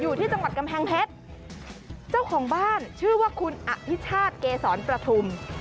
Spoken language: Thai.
อยู่ที่จังหวัดกำแพงเพชรเจ้าของบ้านชื่อว่าคุณอภิชาติเกษรประทุม